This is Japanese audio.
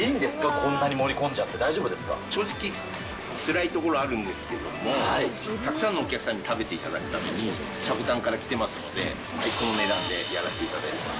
こんなに盛り正直つらいところあるんですけれども、たくさんのお客さんに食べていただくために、積丹から来てますので、このお値段でやらせていただいてます。